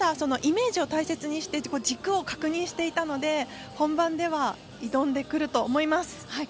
イメージを大切にして軸を確認していたので本番では挑んでくると思います。